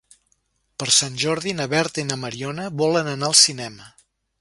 Per Sant Jordi na Berta i na Mariona volen anar al cinema.